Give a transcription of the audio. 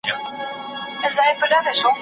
تاسو به د نورو په پرمختګ کي لاسنیوی کوئ.